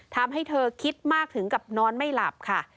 ทำให้เธอคิดมากถึงกับนอนไม่หลับค่ะ